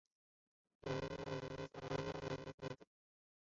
粗球果葶苈为十字花科葶苈属球果葶苈的变种。